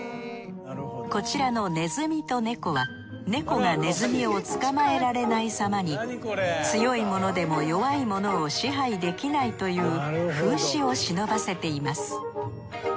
こちらのねずみと猫は猫がねずみを捕まえられないさまに強い者でも弱い者を支配できないという風刺を忍ばせています。